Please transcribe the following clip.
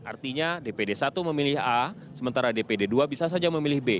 artinya dpd satu memilih a sementara dpd dua bisa saja memilih b